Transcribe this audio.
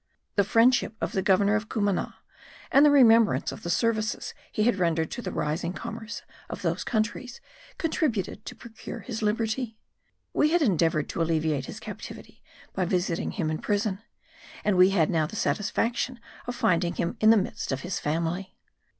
The friendship of the governor of Cumana and the remembrance of the services he had rendered to the rising commerce of those countries contributed to procure his liberty. We had endeavoured to alleviate his captivity by visiting him in prison; and we had now the satisfaction of finding him in the midst of his family.